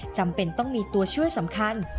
จำเป็นต้องมีตัวช่วยสำคัญ